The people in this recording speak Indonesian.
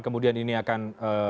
kemudian ini akan